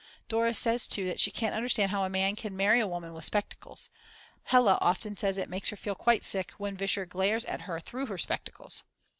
Dora says too that she can't understand how a man can marry a woman with spectacles. Hella often says it makes her feel quite sick when Vischer glares at her through her spectacles.